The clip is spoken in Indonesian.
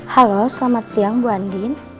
halo selamat siang bu andin